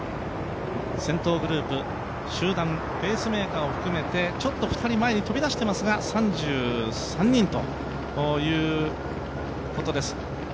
先頭グループ、集団ペースメーカーを含めて前に２人、飛び出していますが３３人ということです。